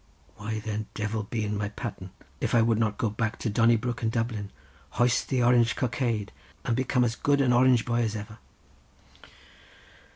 "Why then Divil be in my patten if I would not go back to Donnybrook and Dublin, hoist the Orange cockade, and become as good an Orange boy as ever."